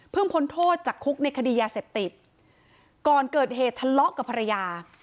พ้นโทษจากคุกในคดียาเสพติดก่อนเกิดเหตุทะเลาะกับภรรยา